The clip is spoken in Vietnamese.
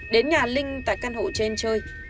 đến nhà linh tại căn hộ trên chơi